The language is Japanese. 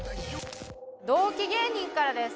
同期芸人からです。